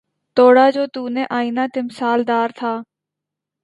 توڑا جو تو نے آئنہ تمثال دار تھا